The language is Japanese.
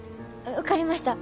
分かりました。